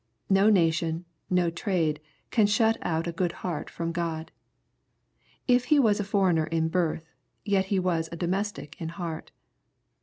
No nation, no trade, can shut out a good heart from God. If he was a foreigner in birth, yet he was a domestic in heart."